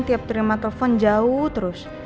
tiap terima telepon jauh terus